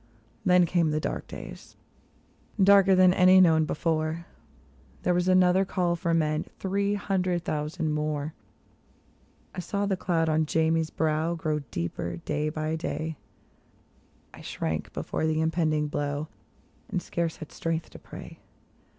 Then came the dark days, darker than any known before ; There was another call for men—'' three hundred thousand more ;" I saw the cloud on Jamie's brow grow deeper day by day ; I shrank before the impending blow, and scarce had strength to pray.